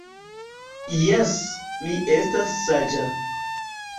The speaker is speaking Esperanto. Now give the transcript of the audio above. Jes, mi estas saĝa